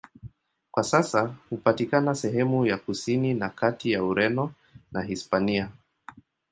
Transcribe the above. Kwa sasa hupatikana sehemu ya kusini na kati ya Ureno na Hispania.